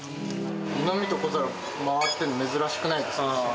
湯飲みと小皿回ってんの珍しくないですか？